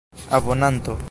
abonanto